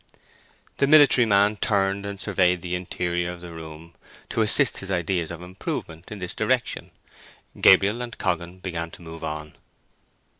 The military man turned and surveyed the interior of the room, to assist his ideas of improvement in this direction. Gabriel and Coggan began to move on.